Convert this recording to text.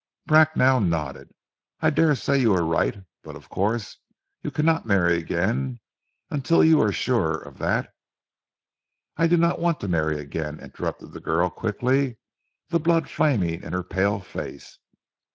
Bracknell nodded. "I dare say you are right, but of course you cannot marry again until you are sure of that " "I do not want to marry again!" interrupted the girl quickly, the blood flaming in her pale face.